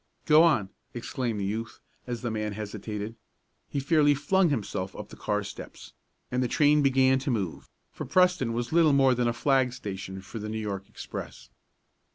"Go on!" exclaimed the youth, as the man hesitated. He fairly flung himself up the car steps, and the train began to move, for Preston was little more than a flag station for the New York express.